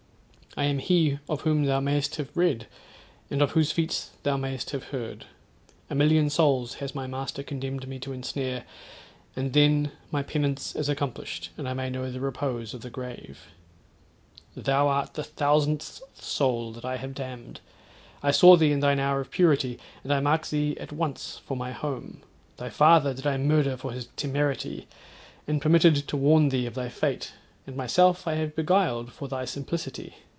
I am he of whom thou may'st have read, and of whose feats thou may'st have heard. A million souls has my master condemned me to ensnare, and then my penance is accomplished, and I may know the repose of the grave. Thou art the thousandth soul that I have damned. I saw thee in thine hour of purity, and I marked thee at once for my home. Thy father did I murder for his temerity, and permitted to warn thee of thy fate; and myself have I beguiled for thy simplicity.